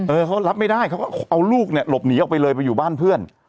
เออเขารับไม่ได้เขาก็เอาลูกเนี่ยหลบหนีออกไปเลยไปอยู่บ้านเพื่อน